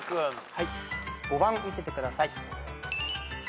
はい５番見せてください。